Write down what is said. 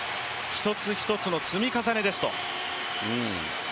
１つ１つの積み重ねですと。